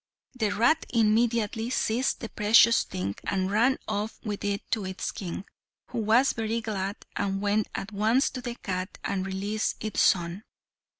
The rat immediately seized the precious thing and ran off with it to its king, who was very glad, and went at once to the cat and released its son.